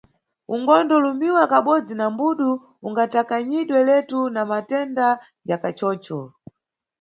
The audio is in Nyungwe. Ungandolumiwa kabodzi na mbudu ungatakanyidwe letu na matenda ya kachocho.